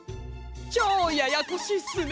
チョウややこしいっすね。